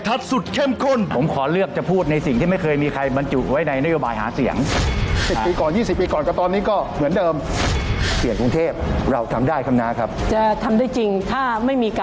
ตื่นเต้นได้ประโยชน์แน่นอนติดตามกันได้นะคะ